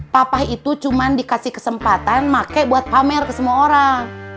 papa itu cuma dikasih kesempatan ma kek buat pamer ke semua orang